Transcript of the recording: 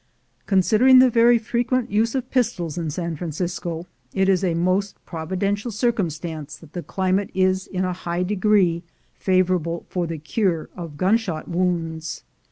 Considering the very frequent use of pistols in San Francisco, it is a most providential circumstance that the climate is in a high degree favorable for the cure of gunshot wounds.